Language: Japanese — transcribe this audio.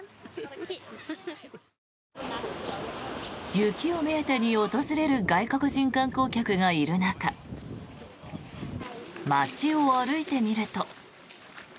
雪を目当てに訪れる外国人観光客がいる中街を歩いてみると。